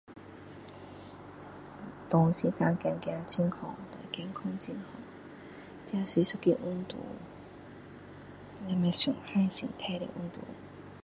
长时间走走很好这是一个运动不会伤害身体的运动